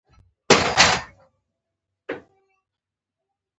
بهرني سیلانیان هم ورته راځي.